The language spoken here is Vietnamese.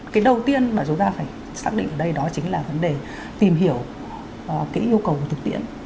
cái đầu tiên mà chúng ta phải xác định ở đây đó chính là vấn đề tìm hiểu cái yêu cầu của thực tiễn